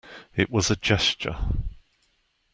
It was a gesture.